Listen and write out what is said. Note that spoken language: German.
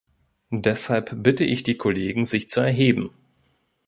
Deshalb bitte ich die Kollegen sich zu erheben.